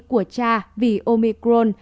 của cha vì omicron